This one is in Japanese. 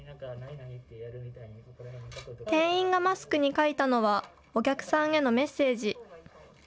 店員がマスクに書いたのはお客さんへのメッセージ。